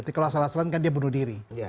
tapi kalau asal asalan kan dia bunuh diri